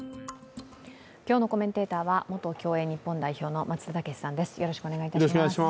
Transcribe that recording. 今日のコメンテーターは元競泳日本代表の松田丈志さんです。